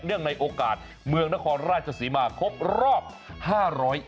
เนื่องในโอกาสเมืองนครราชสีมาครบรอบ๕๕๕ปี